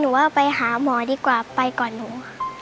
หนูว่าไปหาหมอดีกว่าไปก่อนหนู